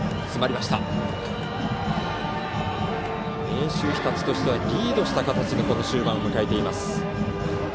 明秀日立としてはリードした形で終盤を迎えています。